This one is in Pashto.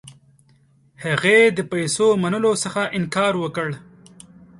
هغې د پیسو منلو څخه انکار وکړ.